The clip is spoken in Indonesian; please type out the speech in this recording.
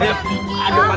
badan salah pak d